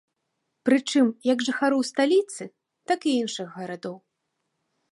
Прычым як жыхароў сталіцы, так і іншых гарадоў.